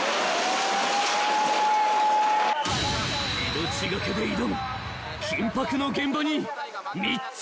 ［命懸けで挑む緊迫の現場に密着］